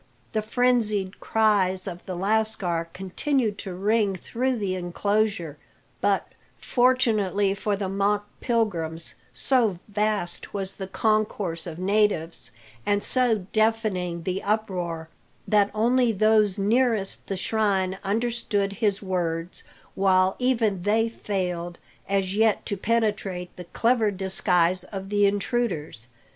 The frenzied cries of the lascar continued to ring through the enclosure; but, fortunately for the mock pilgrims, so vast was the concourse of natives, and so deafening the uproar, that only those nearest the shrine understood, his words, while even they failed, as yet to penetrate the clever disguise of the intruders.